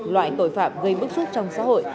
loại tội phạm gây bức xúc trong xã hội